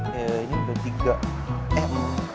ya ini udah tiga eh empat cukup gak